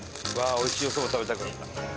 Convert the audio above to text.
おいしいおそば食べたくなった。